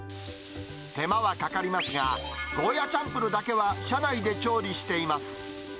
手間はかかりますが、ゴーヤチャンプルだけは車内で調理しています。